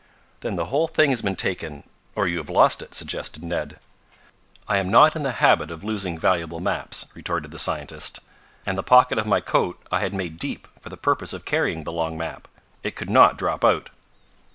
"Then the whole thing has been taken or you have lost it," suggested Ned. "I am not in the habit of losing valuable maps," retorted the scientist. "And the pocket of my coat I had made deep, for the purpose of carrying the long map. It could not drop out."